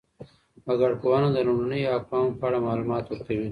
وګړپوهنه د لومړنیو اقوامو په اړه معلومات ورکوي.